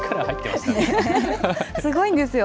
すごいんですよ。